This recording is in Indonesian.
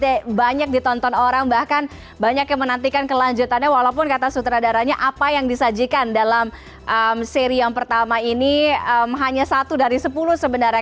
ini banyak ditonton orang bahkan banyak yang menantikan kelanjutannya walaupun kata sutradaranya apa yang disajikan dalam seri yang pertama ini hanya satu dari sepuluh sebenarnya